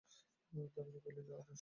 দামিনী বলিল, আর, আসল কথা?